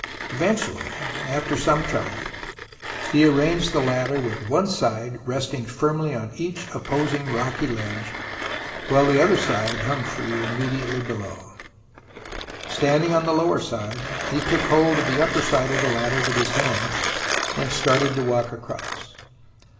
Eventually, 110 THE ROMANCE OF EXCAVATION after some trouble, he arranged the ladder with one side resting firmly on each opposing rocky ledge, while the other side hung free immediately below. Standing on the lower side, he took hold of the upper side of the ladder with his hands and started to walk across.